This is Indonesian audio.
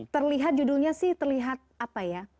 terlihat judulnya sih terlihat apa ya